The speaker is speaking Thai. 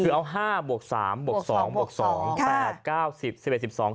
คือเอา๕บวก๓บวก๒บวก๒